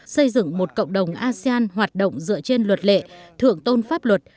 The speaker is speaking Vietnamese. xây dựng một cộng đồng asean hoạt động dựa trên luật lệ thượng tôn pháp luật